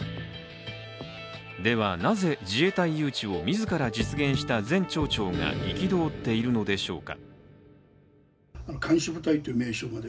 ではなぜ、自衛隊誘致を自ら実現した前町長が憤っているのでしょうか。